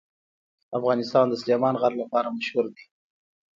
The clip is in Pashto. افغانستان د سلیمان غر لپاره مشهور دی.